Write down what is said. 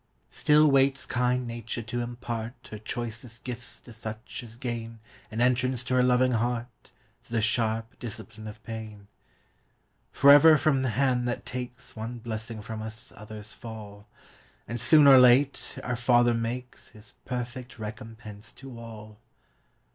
Still waits kind Nature to impartHer choicest gifts to such as gainAn entrance to her loving heartThrough the sharp discipline of pain. Forever from the Hand that takesOne blessing from us others fall; And, soon or late, our Father makesHis perfect recompense to all!